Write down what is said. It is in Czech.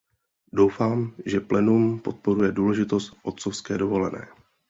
Doufám, že plénum podporuje důležitost otcovské dovolené.